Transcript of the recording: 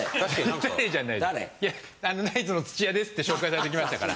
いやナイツの土屋ですって紹介されて来ましたから。